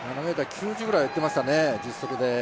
７ｍ９０ｍぐらいいっていましたね、実測で。